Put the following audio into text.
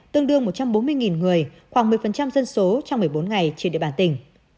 tương đương một trăm bốn mươi người khoảng một mươi dân số trong một mươi bốn ngày trên địa bàn tỉnh